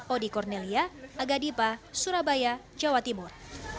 odi cornelia aga dipa surabaya jawa timur